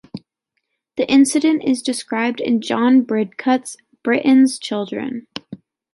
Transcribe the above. The incident is described in John Bridcut's "Britten's Children".